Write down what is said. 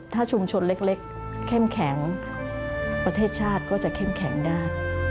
ถ้าชุมชนเล็กเข้มแข็งประเทศชาติก็จะเข้มแข็งได้